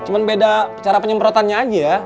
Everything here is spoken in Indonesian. cuma beda cara penyemprotannya aja ya